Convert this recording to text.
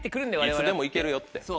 「いつでも行けるよ」って。